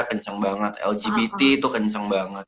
kenceng banget lgbt itu kenceng banget